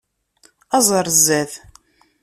Aẓ ar zdat.